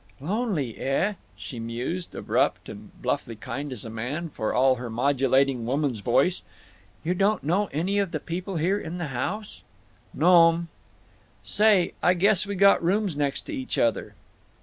"Lonely, eh?" she mused, abrupt and bluffly kind as a man, for all her modulating woman's voice. "You don't know any of the people here in the house?" "No'm. Say, I guess we got rooms next to each other."